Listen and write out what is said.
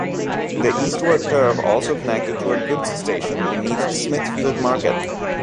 The eastward curve also connected to a goods station beneath Smithfield market.